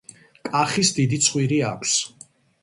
კახის დიდი ცხვირი აქვს